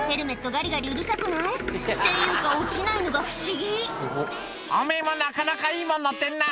ガリガリうるさくない？っていうか落ちないのが不思議「おめぇもなかなかいいもん乗ってんな」